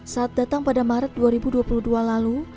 saat datang pada maret dua ribu dua puluh dua lalu